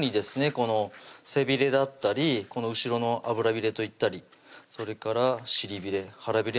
この背びれだったり後ろの脂びれといったりそれから尻びれ・腹びれの周り